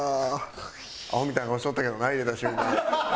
アホみたいな顔しとったけどな入れた瞬間。